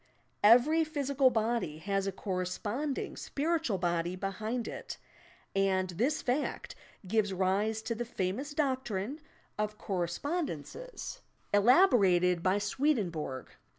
Every physical body has a corresponding spiritual body behind it, and this fact gave rise to the famous doctrine of "Correspondences" 56 YOUR PSYCHIC POWERS elaborated by Swedenborg.